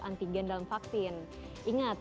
antigen dalam vaksin ingat